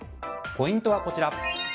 ポイントは、こちら。